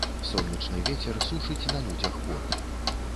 Сонечны вецер сушыць на людзях пот.